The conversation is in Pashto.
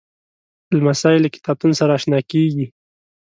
لمسی له کتابتون سره اشنا کېږي.